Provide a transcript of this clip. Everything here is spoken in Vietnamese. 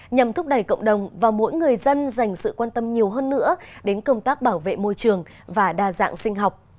nhằm thúc đẩy cộng đồng và mỗi người dân dành sự quan tâm nhiều hơn nữa đến công tác bảo vệ môi trường và đa dạng sinh học